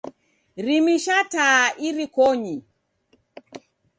Rimisha taa irikonyi.